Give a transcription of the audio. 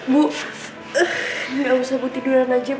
bu gak usah bu tiduran aja bu